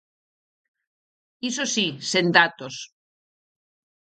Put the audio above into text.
Iso si, sen datos.